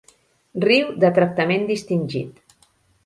Riu de tractament distingit.